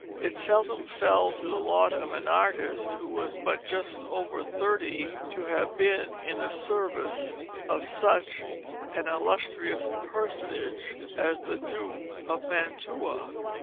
It seldom fell to the lot of an artist who was but just over thirty to have been in the service of such an illustrious personage as the Duke of Mantua.